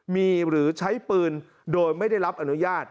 มีหรือใช้ปืนโดยไม่ได้รับอนุญาต